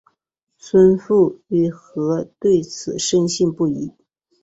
孙傅与何对此深信不疑。